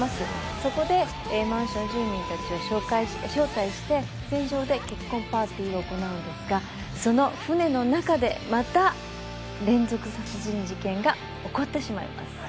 そこでマンション住民たちを招待して、船上で結婚パーティーを行うんですが、その船の中でまた連続殺人事件が起こってしまいます。